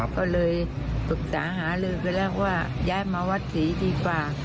ก็เลยปรึกษาหาลือกันแล้วว่าย้ายมาวัดศรีดีกว่า